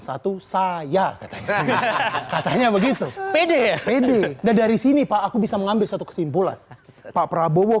satu saya katanya begitu pede pede dan dari sini pak aku bisa mengambil satu kesimpulan pak prabowo